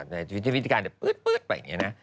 ในชีวิตวิธีการปื๊ดไปอย่างนี้นะ